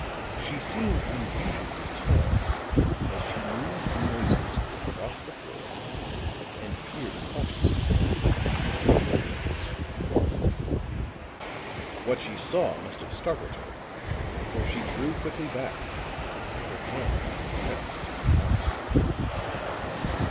She seemed unusually tall as she moved noiselessly across the floor and peered cautiously through the communicating doorways. [Illustration: WHAT SHE SAW MUST HAVE STARTLED HER] What she saw must have startled her, for she drew quickly back, her hand pressed to her heart.